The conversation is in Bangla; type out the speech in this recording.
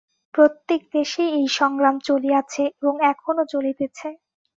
প্রত্যেক দেশেই এই সংগ্রাম চলিয়াছে, এবং এখনও চলিতেছে।